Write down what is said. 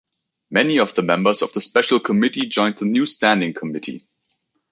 Many of the members of the special committee joined the new standing committee.